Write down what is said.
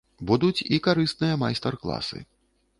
Будуць і карысныя майстар класы.